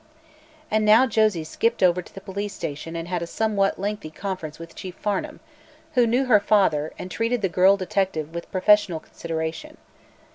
And now Josie skipped over to the police station and had a somewhat lengthy conference with Chief Farnum, who knew her father and treated the girl detective with professional consideration.